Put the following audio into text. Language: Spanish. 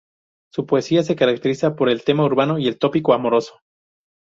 Su poesía se caracteriza por el tema urbano y el tópico amoroso.